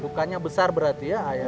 bukannya besar berarti ya ayah